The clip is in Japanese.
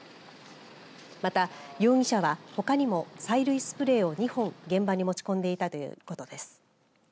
また、容疑者はほかにも催涙スプレーを２本現場に持ち込んでいたということです。